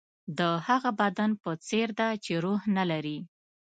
د هغه بدن په څېر ده چې روح نه لري.